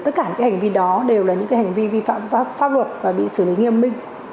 tất cả những hành vi đó đều là những hành vi vi phạm pháp luật và bị xử lý nghiêm minh